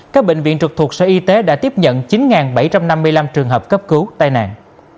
các bệnh viện trực thuộc sở y tế đã tiếp nhận chín bảy trăm năm mươi năm trường hợp cấp cứu tai nạn